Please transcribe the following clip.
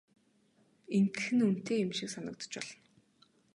Ингэх нь үнэтэй юм шиг санагдаж болно.